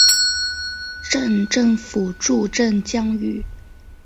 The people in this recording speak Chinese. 镇政府驻镇江圩。